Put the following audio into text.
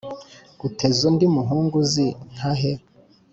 uteze undi muhunguzi nka he ?